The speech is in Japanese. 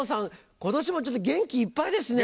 今年も元気いっぱいですね。